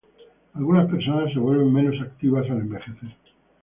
algunas personas se vuelven menos activas al envejecer